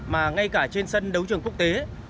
mà ngay cả trên sân đấu trường quốc tế